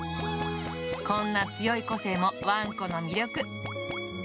こんな強い個性もワンコの魅力。